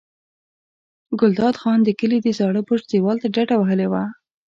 ګلداد خان د کلي د زاړه برج دېوال ته ډډه وهلې وه.